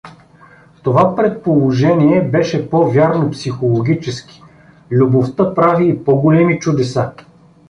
Това предположение беше по-вярно психологически — любовта прави и по-големи чудеса.